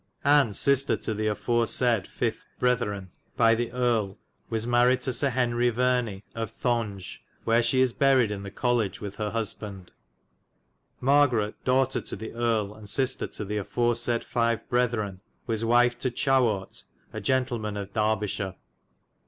Anne sistar to the aforesayde 5. britherne by the erle was maried to Ser Henry Verney of Thonge, where she is buried in the coledge with hir husbond. Margaret dowghtar to the erle, and sistar to the afore sayde 5. brithern was wyfe to Chawort a gentleman of Darbyshire.